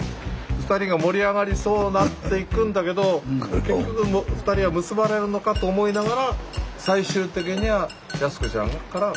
２人が盛り上がりそうになっていくんだけど結局２人は結ばれるのかと思いながら最終的には靖子ちゃんから身を引いてく。